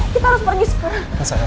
kita harus pergi sekarang